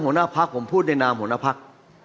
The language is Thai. หัวหน้าพักผมพูดในนามหัวหน้าพัก